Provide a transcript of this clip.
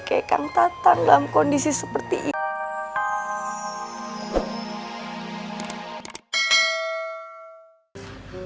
kayak kang tatang dalam kondisi seperti ini